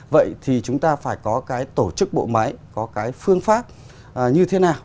vậy thì chúng ta phải có cái tổ chức bộ máy có cái phương pháp như thế nào